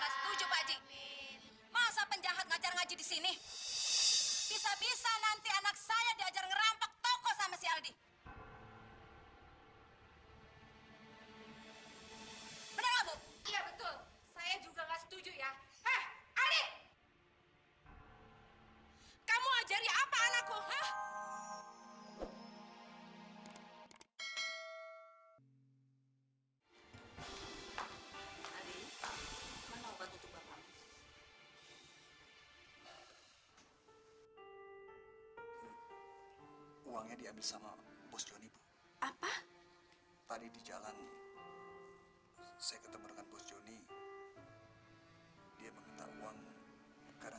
sampai jumpa di video selanjutnya